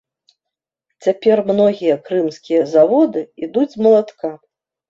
Цяпер многія крымскія заводы ідуць з малатка.